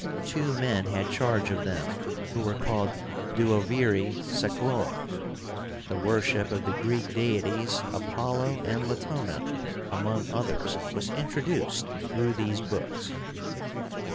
Two men had charge of them, who were called duoviri sacrórum. The worship of the Greek deities, Apollo and Latóna, among others, was introduced through these books.